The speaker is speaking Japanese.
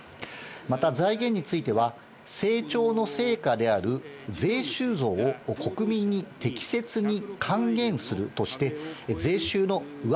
また財源については、成長の成果である税収増を国民に適切に還元するとして、税収の上